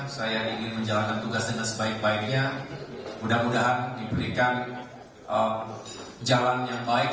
saya ingin menjalankan tugas dengan sebaik baiknya mudah mudahan diberikan jalan yang baik